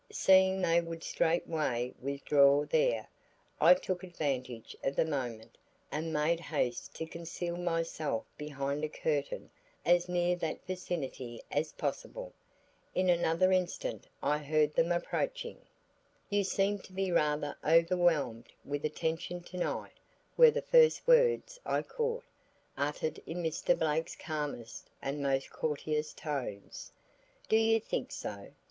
Seeing they would straightway withdraw there, I took advantage of the moment and made haste to conceal myself behind a curtain as near that vicinity as possible. In another instant I heard them approaching. "You seem to be rather overwhelmed with attention to night," were the first words I caught, uttered in Mr. Blake's calmest and most courteous tones. "Do you think so?"